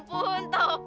aku tak tahu nanti